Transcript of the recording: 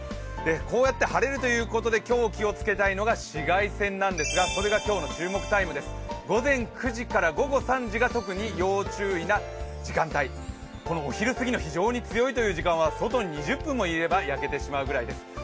こうやって晴れるということで今日、気をつけたいのが紫外線なんですが、これが今日の注目タイムです、午前９時から午後３時が特に要注意な時間帯、お昼過ぎの非常に強いという時間帯は外に２０分もいれば焼けてしまうぐらいです。